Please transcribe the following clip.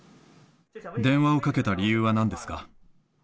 電話をかけた理由はなんですか？